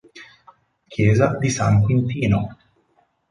Chiesa di San Quintino